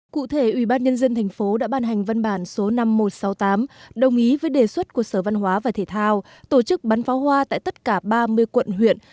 cụ thể ủy ban nhân dân thành phố đã ban hành văn bản số năm nghìn một trăm sáu mươi tám đồng ý với đề xuất của sở văn hóa và thể thao tổ chức bắn pháo hoa tại tất cả ba mươi quận huyện